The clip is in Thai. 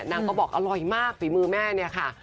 นางก็บอกอร่อยมากฝีมือแม่เนี่ยค่ะ